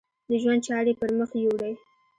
د ژوند چارې یې پر مخ یوړې.